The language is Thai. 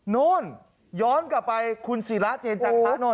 โน้นย้อนกลับไปคุณศิราเจนจังภาคโน้น